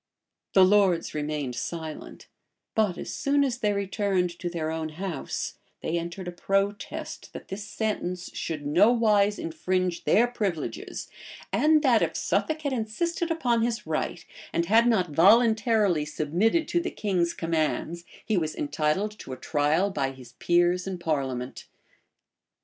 The lords remained silent; but as soon as they returned to their own house, they entered a protest, that this sentence should nowise infringe their privileges, and that, if Suffolk had insisted upon his right, and had not voluntarily submitted to the king's commands, he was entitled to a trial by his peers in parliament.